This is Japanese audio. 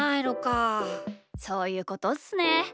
そういうことっすね。